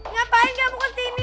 ngapain gak mau kesini